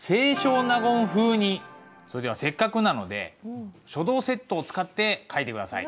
それではせっかくなので書道セットを使って書いて下さい。